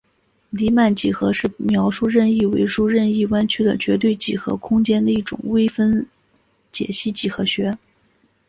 黎曼几何是描述任意维数任意弯曲的绝对几何空间的一种微分解析几何学。